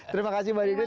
terima kasih mbak dini